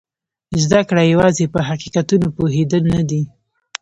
زده کړه یوازې په حقیقتونو پوهېدل نه دي.